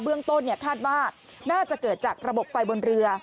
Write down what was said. ต้นคาดว่าน่าจะเกิดจากระบบไฟบนเรือ